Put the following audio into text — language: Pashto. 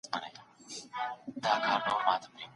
اسلامي اصول باید کم نه سي.